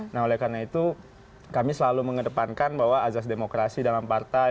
nah oleh karena itu kami selalu mengedepankan bahwa azas demokrasi dalam partai